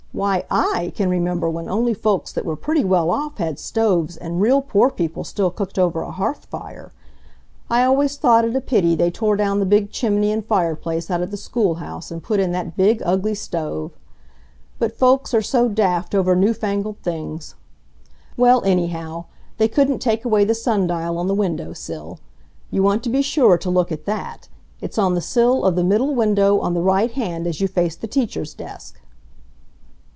Why, I can remember when only folks that were pretty well off had stoves and real poor people still cooked over a hearth fire. I always thought it a pity they tore down the big chimney and fireplace out of the schoolhouse and put in that big, ugly stove. But folks are so daft over new fangled things. Well, anyhow, they couldn't take away the sun dial on the window sill. You want to be sure to look at that. It's on the sill of the middle window on the right hand as you face the teacher's desk."